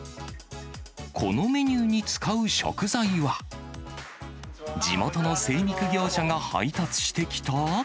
このメニューに使う食材は、地元の精肉業者が配達してきた。